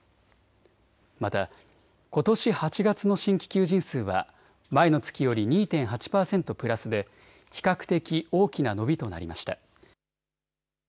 また、ことし８月の新規求人数は前の月より２．８％プラスで比較的大きな伸びとなりました。